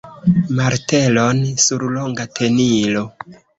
martelon sur longa tenilo.